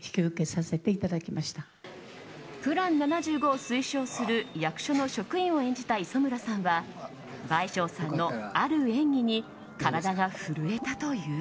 「ＰＬＡＮ７５」を推奨する役所の職員を演じた磯村さんは倍賞さんのある演技に体が震えたという。